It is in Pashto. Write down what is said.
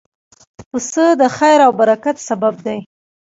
پسه د خیر او برکت سبب دی.